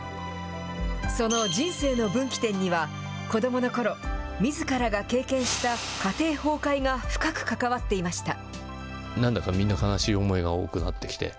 その人生の分岐点には、子どものころ、みずからが経験した家庭崩壊が深く関わっていました。